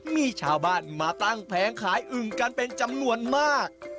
มีชาวบ้านมาตั้งแผงขายอึ่งกันเป็นจำนวนมาก